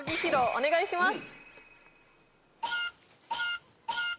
お願いします